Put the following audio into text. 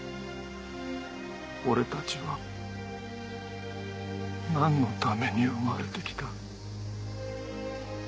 俺たちは何のために生まれて来た。